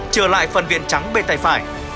trở lại phần viên trắng bên tay phải